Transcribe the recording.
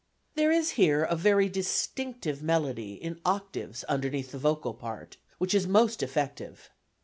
There is here a very distinctive melody in octaves underneath the vocal part, which is most effective.